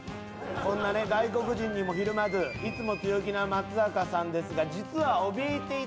こんな外国人にもひるまずいつも強気な松坂さんですが。